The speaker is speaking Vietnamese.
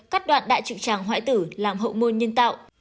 cắt đoạn đại trực tràng hoại tử làm hậu môn nhân tạo